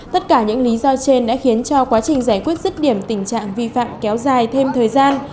tất cả những lý do trên đã khiến cho quá trình giải quyết rứt điểm tình trạng vi phạm kéo dài thêm thời gian